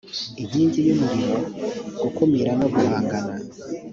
inkongi y umuriro gukumira no guhangana